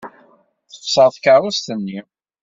Texṣer tkeṛṛust-nni.